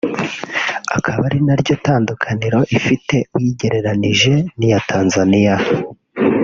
akaba ari naryo tandukaniro ifite uyigereranije n’iya Tanzaniya